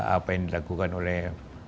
apa yang dilakukan oleh